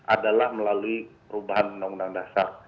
adalah melalui perubahan undang undang dasar